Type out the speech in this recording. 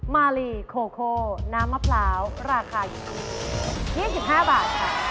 มาลีโคโคน้ำมะพร้าวราคาอยู่ที่๒๕บาทค่ะ